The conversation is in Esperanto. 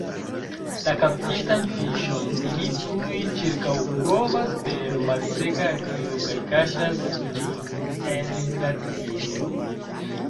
La kaptitan fiŝon ili tuj ĉirkaŭkovras per malseka argilo kaj kaŝas ĝin en glaciejo.